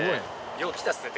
よう来たっすね。